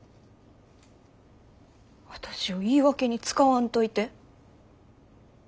私を言い訳に使わんといて。